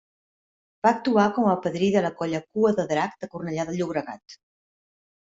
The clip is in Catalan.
Va actuar com a padrí la colla Cua de Drac de Cornellà de Llobregat.